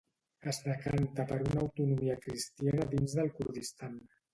Es decanta per una autonomia cristiana dins del Kurdistan.